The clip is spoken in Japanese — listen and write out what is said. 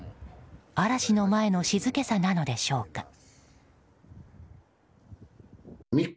嵐の前の静けさなのでしょうか。